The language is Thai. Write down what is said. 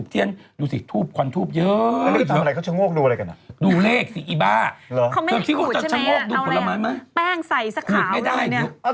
เดี๋ยวจะเข้าคำว่างงวดมันไม่ได้